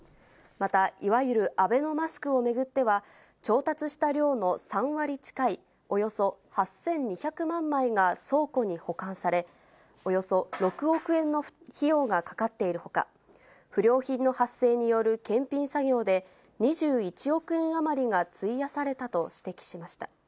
また、いわゆるアベノマスクを巡っては、調達した量の３割近いおよそ８２００万枚が倉庫に保管され、およそ６億円の費用がかかっているほか、不良品の発生による検品作業で、２１億円余りが費やされたと指摘しました。